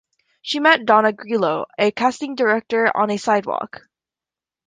She met Donna Grillo, a casting director, on a sidewalk.